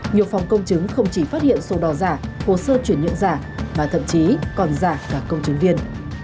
nhiều phòng công chứng không chỉ phát hiện sổ đỏ giả hồ sơ chuyển nhượng giả mà thậm chí còn giả cả công chứng viên